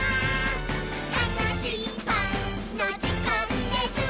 「たのしいパンのじかんです！」